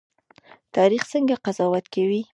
تاریخ څنګه قضاوت کوي؟